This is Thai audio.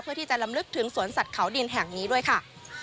เพื่อที่จะลำลึกถึงสวนสัตว์เขาดินแห่งนี้ด้วยค่ะ